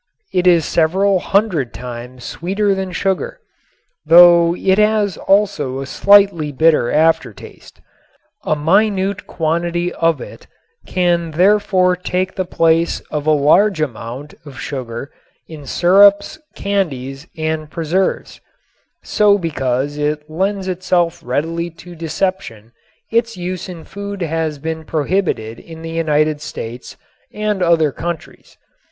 It is several hundred times sweeter than sugar, though it has also a slightly bitter aftertaste. A minute quantity of it can therefore take the place of a large amount of sugar in syrups, candies and preserves, so because it lends itself readily to deception its use in food has been prohibited in the United States and other countries.